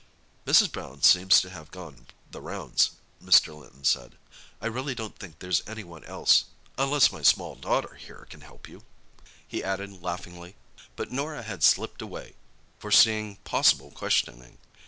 "Mrs. Brown seems to have gone the rounds," Mr. Linton said. "I really don't think there's any one else—unless my small daughter here can help you," he added laughingly. But Norah had slipped away, foreseeing possible questioning.